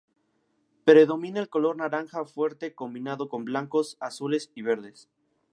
Predomina el color naranja fuerte combinado con blancos, azules y verdes.